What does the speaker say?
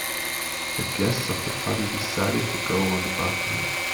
The guests of the party decided to go on the balcony.